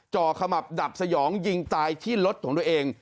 ขมับดับสยองยิงตายที่รถของตัวเอง